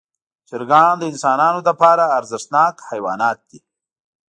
چرګان د انسانانو لپاره ارزښتناک حیوانات دي.